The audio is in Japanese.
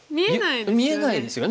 見えないですよね。